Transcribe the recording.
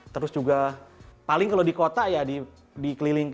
terus juga paling kalau di kota ya di keliling